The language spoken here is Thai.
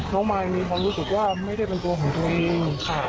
มายมีความรู้สึกว่าไม่ได้เป็นตัวของตัวเองค่ะ